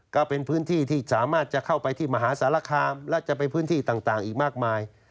ก็เป็นพื้นที่ที่สามารถจะเข้าไปที่มหาสารคามและจะไปพื้นที่ต่างอีกมากมาย